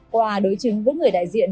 quà đối chứng với người đại diện